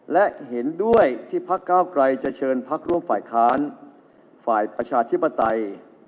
และเห็นด้วยที่พักเก้าไกรจะเชิญพักร่วมฝ่ายค้านฝ่ายประชาธิปไตย